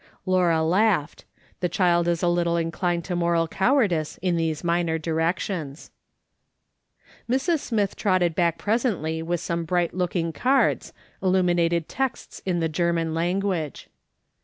Laura laughed. The child is a little inclined to moral cowardice in these minor directions. Mrs, Smith trotted back presently with some bright looli:ing cards, illuminated texts in the German language.